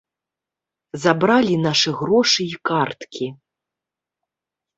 Забралі нашы грошы і карткі.